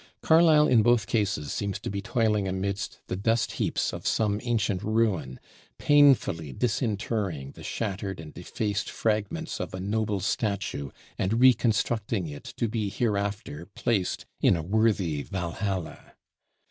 Carlyle in both cases seems to be toiling amidst the dust heaps of some ancient ruin, painfully disinterring the shattered and defaced fragments of a noble statue and reconstructing it to be hereafter placed in a worthy Valhalla.